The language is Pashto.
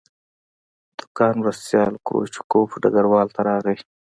د کان مرستیال کروچکوف ډګروال ته راغی